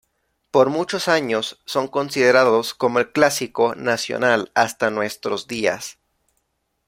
Por muchos años son considerados como el Clásico Nacional hasta nuestros días.